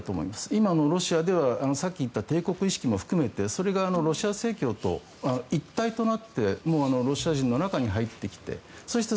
今のロシアではさっき言った帝国意識も含めてそれがロシア正教と一体となってロシア人の中に入ってきてそして